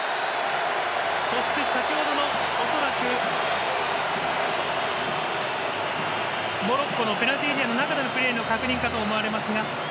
そして先ほどの恐らくモロッコのペナルティーエリアの中のプレーの確認かと思われますが。